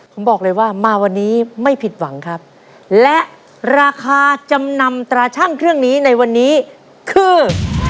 ผมบอกเลยว่ามาวันนี้ไม่ผิดหวังครับและราคาจำนำตราชั่งเครื่องนี้ในวันนี้คือ